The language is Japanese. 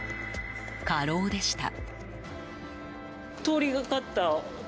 過労でした。